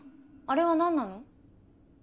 あれは何なの？